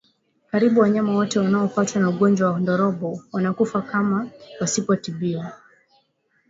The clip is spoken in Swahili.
Karibu wanyama wote wanaopatwa na ugonjwa wa ndorobo wanakufa kama wasipotibiwa